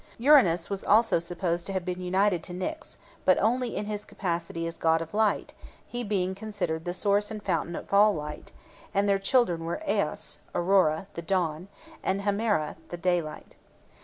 Uranus was also supposed to have been united to Nyx, but only in his capacity as god of light, he being considered the source and fountain of all light, and their children were Eos (Aurora), the Dawn, and Hemera, the Daylight.